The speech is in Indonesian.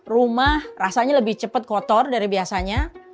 rumah rasanya lebih cepat kotor dari biasanya